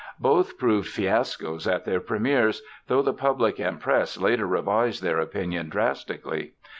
Both proved fiascos at their premières, though the public and press later revised their opinions drastically.